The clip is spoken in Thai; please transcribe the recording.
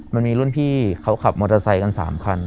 มันมีรุ่นพี่เขาขับมอเตอร์ไซค์กัน๓คัน